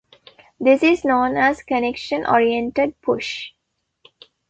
This is known as "Connection Oriented Push".